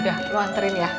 udah lu anterin ya